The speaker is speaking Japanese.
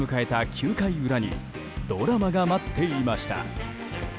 ９回裏にドラマが待っていました。